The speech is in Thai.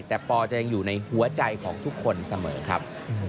แต่ปอจะยังอยู่ในหัวใจของทุกคนเสมอครับ